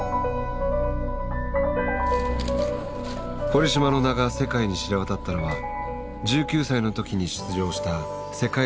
堀島の名が世界に知れ渡ったのは１９歳の時に出場した世界選手権。